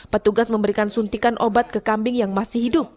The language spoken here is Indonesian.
petugas memberikan suntikan obat ke kambing yang masih hidup